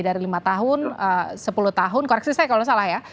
dari lima tahun sepuluh tahun koreksi saya kalau salah ya